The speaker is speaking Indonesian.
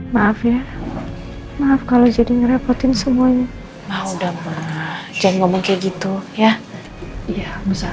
maaf ya maaf kalau jadi ngerepotin semuanya mau dama jangan ngomong kayak gitu ya iya